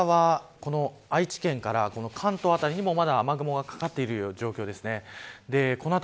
特に東側愛知県から関東辺りにもまだ雨雲がかかっている状況です。